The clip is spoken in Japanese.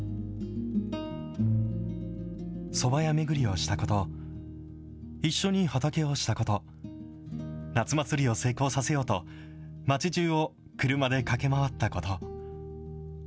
そば屋巡りをしたこと、一緒に畑をしたこと、夏祭りを成功させようと、町じゅうを車で駆け回ったこと。